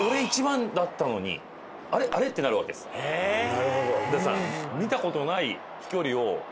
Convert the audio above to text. なるほど。